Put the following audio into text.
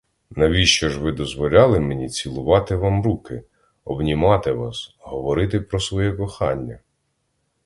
Навіщо ж ви дозволяли мені цілувати вам руки, обнімати вас, говорити про своє кохання?